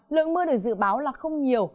lượng mưa được dự báo là không nhiều